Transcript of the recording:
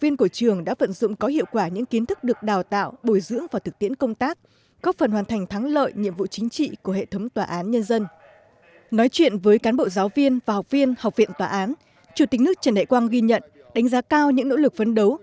nói chuyện với cán bộ giáo viên và học viên học viện tòa án chủ tịch nước trần đại quang ghi nhận đánh giá cao những nỗ lực phấn đấu